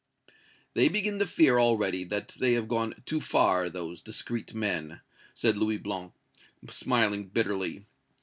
"They begin to fear already that they have gone too far, those discreet men!" said Louis Blanc, smiling bitterly.